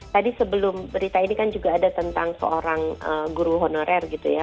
tadi sebelum berita ini kan juga ada tentang seorang guru honorer gitu ya